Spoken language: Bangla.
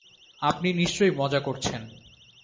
আপনি নিশ্চয় মজা করছেন।